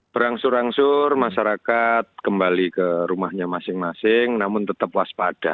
berangsur angsur masyarakat kembali ke rumahnya masing masing namun tetap waspada